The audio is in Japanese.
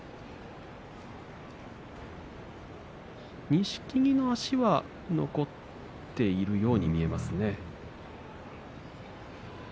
錦木の足は残っているように見えますね。